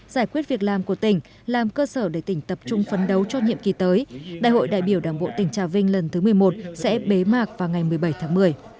giải quyết việc làm của tỉnh làm cơ sở để tỉnh tập trung phấn đấu cho nhiệm kỳ tới đại hội đại biểu đảng bộ tỉnh trà vinh lần thứ một mươi một sẽ bế mạc vào ngày một mươi bảy tháng một mươi